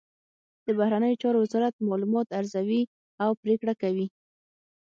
د بهرنیو چارو وزارت معلومات ارزوي او پریکړه کوي